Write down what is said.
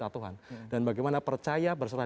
tuhan dan bagaimana percaya berserah